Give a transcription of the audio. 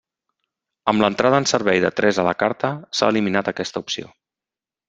Amb l'entrada en servei de “tres a la carta” s'ha eliminat aquesta opció.